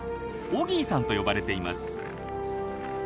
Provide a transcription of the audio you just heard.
オギーさんと呼ばれています。